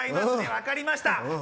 分かりました。